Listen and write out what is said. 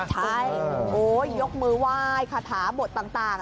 ใช่ยกมือไหว้คาถาบทต่าง